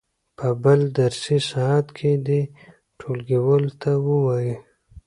په بل درسي ساعت کې دې ټولګیوالو ته ووایي.